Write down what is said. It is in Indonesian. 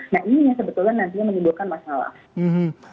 nah ini yang sebetulnya nantinya menimbulkan masalah